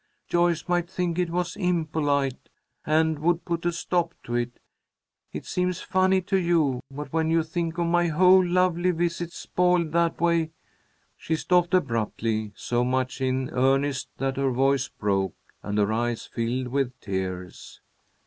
Joyce might think it was impolite, and would put a stop to it. It seems funny to you, but when you think of my whole lovely visit spoiled that way " She stopped abruptly, so much in earnest that her voice broke and her eyes filled with tears.